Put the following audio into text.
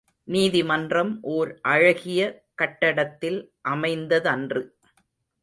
நீதி மன்றம் ஓர் அழகிய கட்டடத்தில் அமைந்த தன்று.